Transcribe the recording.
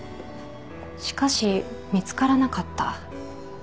しかし見つからなかった。